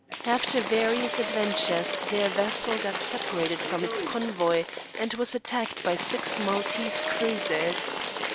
After various adventures their vessel got separated from its convoy, and was attacked by six Maltese cruisers.